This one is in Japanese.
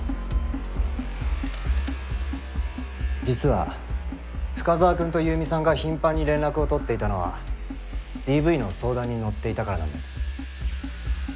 実は深沢くんと優美さんが頻繁に連絡を取っていたのはＤＶの相談にのっていたからなんです。